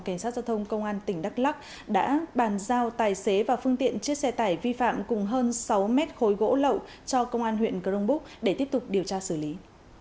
cảnh sát giao thông công an tỉnh đắk lắc đã bàn giao tài xế và phương tiện chiếc xe tải vi phạm cùng hơn sáu mét khối gỗ lậu cho công an huyện cờ rông búc để tiếp tục điều tra xử lý